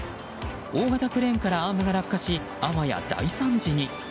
大型クレーンからアームが落下しあわや大惨事に。